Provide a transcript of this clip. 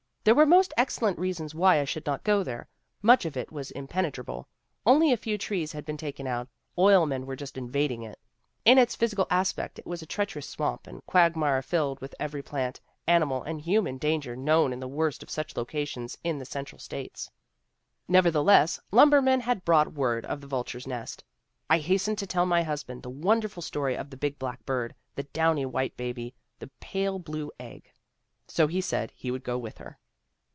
" There were most excellent reasons why I should not go there. Much of it was impenetrable. Only a few trees had been taken out; oilmen were just invading it. In its physical aspect it was a treacherous swamp and quag mire filled with every plant, animal and human dan ger known in the worst of such locations in the Cen tral States/ ' Nevertheless lumbermen had brought word of the vulture's nest. " 'I hastened to tell my husband the wonderful story of the big black bird, the downy white baby, the pale blue egg/ ' So he said he would go with her.